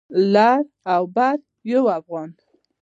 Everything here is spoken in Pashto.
لر او بر يو افغان.